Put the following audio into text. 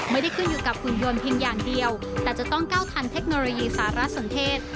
ไม่ได้ขึ้นอยู่กับหุ่นยนต์เพียงอย่างเดียวแต่จะต้องก้าวทันเทคโนโลยีสารสนเทศ